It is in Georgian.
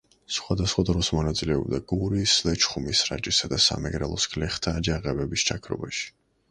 სხვადასხვა დროს მონაწილეობდა გურიის, ლეჩხუმის, რაჭისა და სამეგრელოს გლეხთა აჯანყებების ჩაქრობაში.